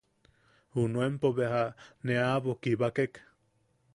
Junuenpo beja ne aʼabo kibakek.